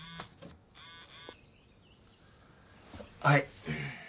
はい。